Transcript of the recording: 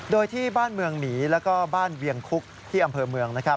โดยที่บ้านเมืองหมีและบ้านเวียงคุกที่อำเภอเมือง